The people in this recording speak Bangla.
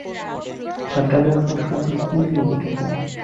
ছত্রাকের কোষপ্রাচীর কী দিয়ে গঠিত?